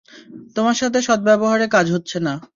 তোমার সাথে সদ্ব্যব্যবহারে কাজ হচ্ছে না।